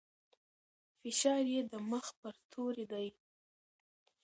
فشار يې د مخ پر توري دی.